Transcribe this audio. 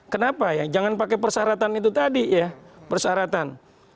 kenapa ya jangan pakai persyaratan itu tadi ya persyaratan